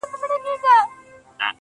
د انسانانو جهالت له موجه، اوج ته تللی.